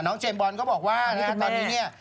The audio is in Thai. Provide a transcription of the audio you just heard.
น้องเจมบอลก็บอกว่าตอนนี้เนี่ย